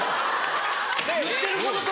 言ってることと。